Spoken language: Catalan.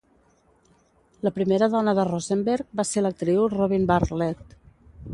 La primera dona de Rosenberg va ser l'actriu Robin Bartlett.